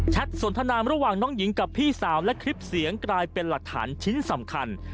สนทนามระหว่างน้องหญิงกับพี่สาวและคลิปเสียงกลายเป็นหลักฐานชิ้นสำคัญ